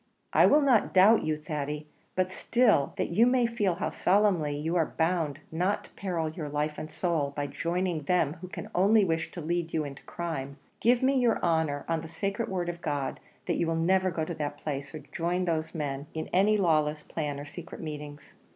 "I will not doubt you, Thady; but still, that you may feel how solemnly you are bound not to peril your life and soul by joining them who can only wish to lead you into crime, give me your honour, on the sacred word of God, that you will never go to that place; or join those men in any lawless plans or secret meetings."